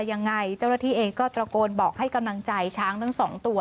ยังไงเจ้าหน้าที่เองก็ตระโกนบอกให้กำลังใจช้างทั้งสองตัว